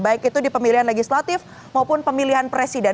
baik itu di pemilihan legislatif maupun pemilihan presiden